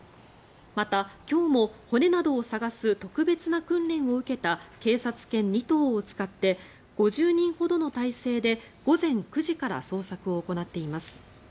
また、今日も骨などを探す特別な訓練を受けた警察犬２頭を使って５０人ほどの態勢で午前９時から捜索を行っています。